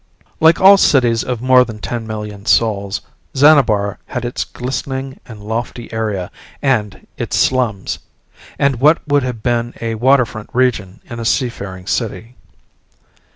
Like all cities of more than ten million souls, Xanabar had its glistening and lofty area and its slums and what would have been a waterfront region in a seafaring city.